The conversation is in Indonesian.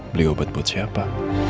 beli obat buat siapa